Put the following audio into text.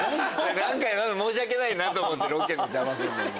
何か申し訳ないなと思ってロケの邪魔するのも。